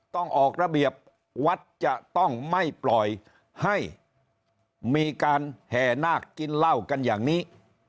ต้องออกระเบียบวัดจะต้องไม่ปล่อยให้มีการแห่นาคกินเหล้ากันอย่างนี้